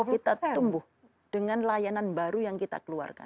kita tumbuh dengan layanan baru yang kita keluarkan